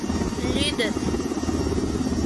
Лӱдыт.